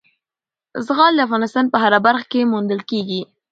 زغال د افغانستان په هره برخه کې موندل کېږي.